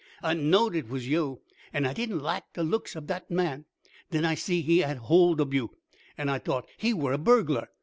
"I knowed it were yo', an' I didn't laik de looks ob dat man. Den I see he had hold ob you, an' I t'ought he were a burglar.